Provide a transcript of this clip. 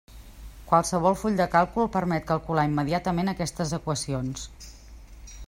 Qualsevol full de càlcul permet calcular immediatament aquestes equacions.